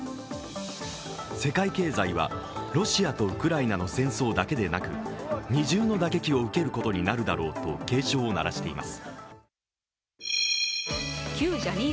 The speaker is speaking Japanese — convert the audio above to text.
世界経済はロシアとウクライナの戦争だけでなく二重の打撃を受けることになるだろうと警鐘を鳴らしています。